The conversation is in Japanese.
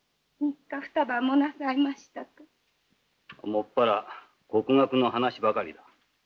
専ら国学の話ばかりだ。